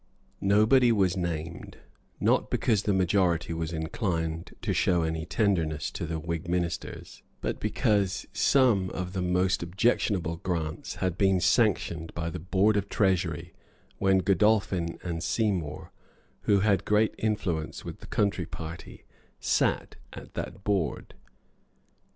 Nobody was named; not because the majority was inclined to show any tenderness to the Whig ministers, but because some of the most objectionable grants had been sanctioned by the Board of Treasury when Godolphin and Seymour, who had great influence with the country party, sate at that board.